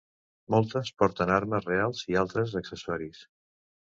Moltes porten armes reals i altres accessoris.